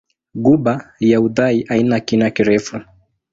Ghuba ya Uthai haina kina kirefu.